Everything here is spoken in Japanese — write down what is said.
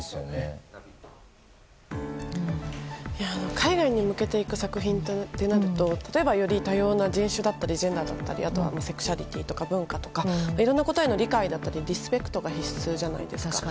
海外に向けていく作品となると例えば、より多様な人種だったりジェンダーだったりあとはセクシャリティーとか文化とかいろんなことへの理解とかリスペクトが必須じゃないですか。